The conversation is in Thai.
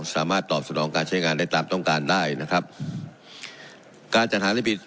สามารถตอบสนองการใช้งานได้ตามต้องการได้นะครับการจัดหาลิบิต